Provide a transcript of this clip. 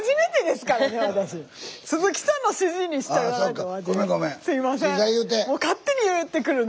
すいません。